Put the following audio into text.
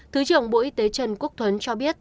thứ trưởng bộ y tế trần quốc tuấn cho biết